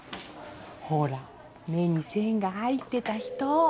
ほら目に線が入ってた人。